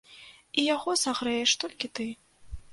І яго сагрэеш толькі ты.